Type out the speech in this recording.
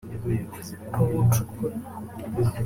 kuwucukura